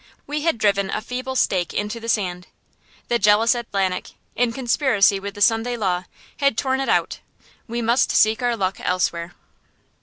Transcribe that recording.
We had driven a feeble stake into the sand. The jealous Atlantic, in conspiracy with the Sunday law, had torn it out. We must seek our luck elsewhere.